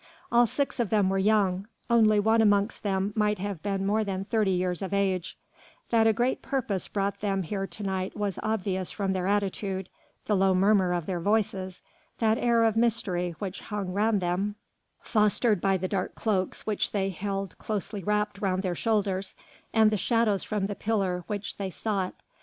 All six of them were young; only one amongst them might have been more than thirty years of age; that a great purpose brought them here to night was obvious from their attitude, the low murmur of their voices, that air of mystery which hung round them, fostered by the dark cloaks which they held closely wrapped round their shoulders and the shadows from the pillar which they sought.